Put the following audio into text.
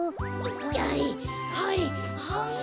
はいはいはい。